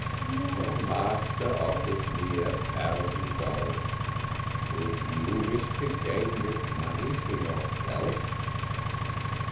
"Your master offers me a thousand dollars; would you wish to gain this money for yourself?"